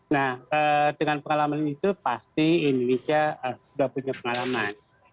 nah dengan pengalaman itu pasti indonesia sudah punya pengalaman